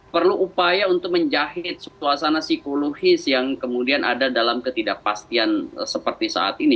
perlu upaya untuk menjahit suasana psikologis yang kemudian ada dalam ketidakpastian seperti saat ini